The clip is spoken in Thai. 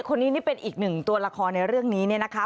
คนนี้เป็นอีก๑ตัวละครในเรื่องนี้นะคะ